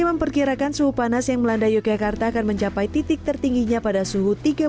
memperkirakan suhu panas yang melanda yogyakarta akan mencapai titik tertingginya pada suhu